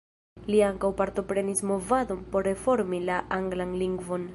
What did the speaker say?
Li ankaŭ partoprenis movadon por reformi la anglan lingvon.